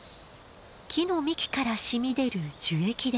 木の幹から染み出る樹液です。